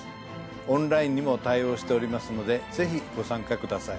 オンラインにも対応しておりますのでぜひご参加ください。